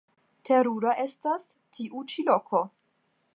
Terura estas tiu ĉi loko.